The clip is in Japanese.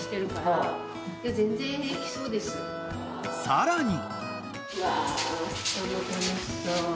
［さらに］